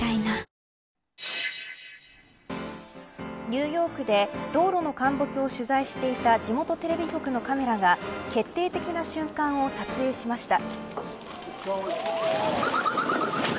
ニューヨークで道路の陥没を取材していた地元テレビ局のカメラが決定的な瞬間を撮影しました。